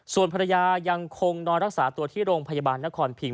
ส่วนภรรยายังคงนอนรักษาตัวที่โรงพยาบาลนครพิง